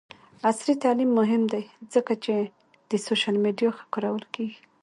عصري تعلیم مهم دی ځکه چې د سوشل میډیا ښه کارول ښيي.